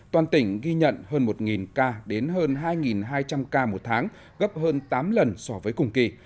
toàn tỉnh ghi nhận hơn một ca đến hơn hai hai trăm linh ca một tháng gấp hơn tám lần so với cùng kỳ